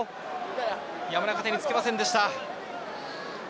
山中、手につきませんでした。